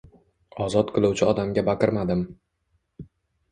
Ozod qiluvchi odamga baqirmadim.